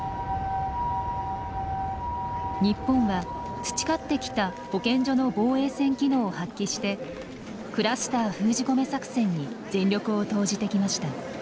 日本は培ってきた保健所の防衛線機能を発揮してクラスター封じ込め作戦に全力を投じてきました。